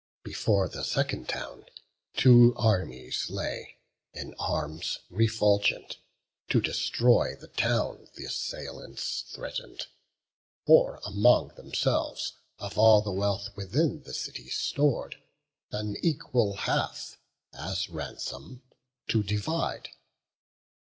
Before the second town two armies lay, In arms refulgent; to destroy the town Th' assailants threaten'd, or among themselves Of all the wealth within the city stor'd An equal half, as ransom, to divide.